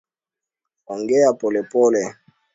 Ongea polepole.